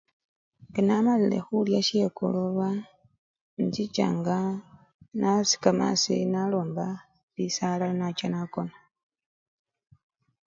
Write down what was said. Nga namalile khulya sye akoloba, inchichanga nasikama aasii nalomba lisaala nenacha nakona.